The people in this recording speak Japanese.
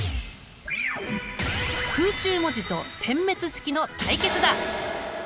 空中文字と点滅式の対決だ！